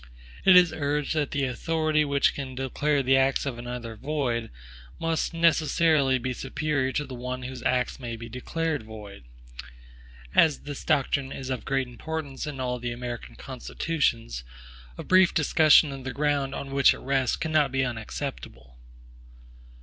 It is urged that the authority which can declare the acts of another void, must necessarily be superior to the one whose acts may be declared void. As this doctrine is of great importance in all the American constitutions, a brief discussion of the ground on which it rests cannot be unacceptable.